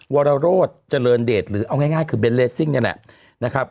วรโรธเจริญเดชหรือเอาง่ายคือเบนเลสซิ่งนี่แหละนะครับ